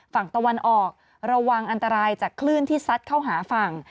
ฝั่งตะวันออกระวังอันตรายจากคลื่นที่ซัดเข้าหาฝั่ง